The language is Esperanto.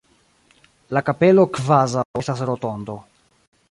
La kapelo kvazaŭ estas rotondo.